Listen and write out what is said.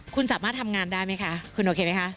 คุณสามารถทำงานได้ไหมคะคุณโอเคไหมคะ